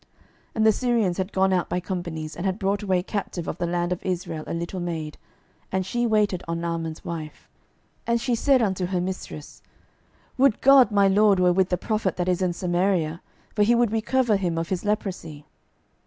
12:005:002 And the Syrians had gone out by companies, and had brought away captive out of the land of Israel a little maid; and she waited on Naaman's wife. 12:005:003 And she said unto her mistress, Would God my lord were with the prophet that is in Samaria! for he would recover him of his leprosy.